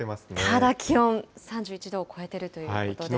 ただ気温、３１度を超えているということですね。